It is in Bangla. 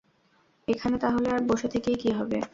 এখানে তাহলে আর বসে থেকেই কী হবে?